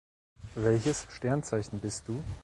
Welches Sternzeichen bist du?